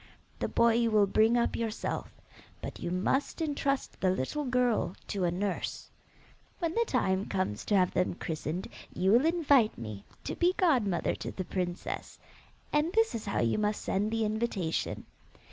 The boy you will bring up yourself, but you must entrust the little girl to a nurse. When the time comes to have them christened you will invite me to be godmother to the princess, and this is how you must send the invitation.